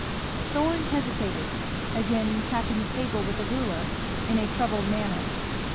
Thorn hesitated, again tapping the table with the ruler in a troubled manner.